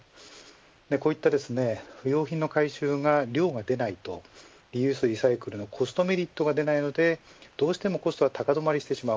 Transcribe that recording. こういった不用品の回収は量が出ないとリユース、リサイクルのコストメリットが出ないのでどうしてもコストが高止まりしてしまう。